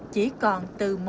chỉ còn từ một